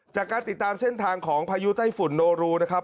จากการติดตามเส้นทางของพายุไต้ฝุ่นโนรูนะครับ